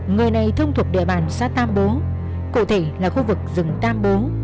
người này thông thuộc địa bàn xã tam bố cụ thể là khu vực rừng tam bố